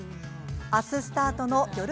あすスタートの夜